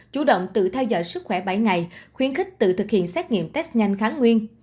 chủ động tự theo dõi sức khỏe bảy ngày khuyến khích tự thực hiện xét nghiệm test nhanh kháng nguyên